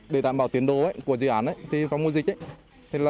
để đảm bảo tiến độ của dự án mùa dịch